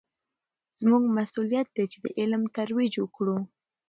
زموږ مسوولیت دی چې د علم ترویج وکړو.